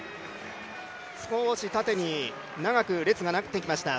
少し縦に長く列が成ってきました。